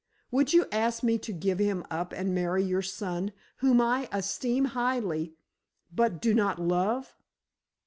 Would you ask me to give him up and marry your son, whom I esteem highly, but do not love?"